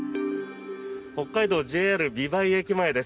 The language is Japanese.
北海道・ＪＲ美唄駅前です。